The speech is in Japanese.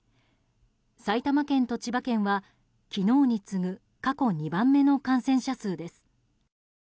埼玉県と千葉県は昨日に次ぐ過去２番目の感染者数です。